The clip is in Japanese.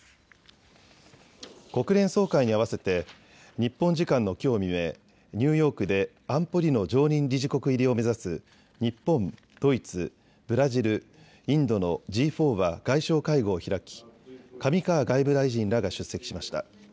国連総会にあわせて日本時間のきょう未明、ニューヨークで安保理の常任理事国入りを目指す日本、ドイツ、ブラジル、インドのＧ４は外相会合を開き上川外務大臣らが出席しました。